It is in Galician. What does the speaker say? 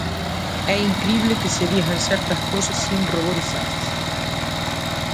É incrible que se digan certas cousas sen ruborizarse.